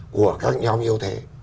của các nhóm yêu thế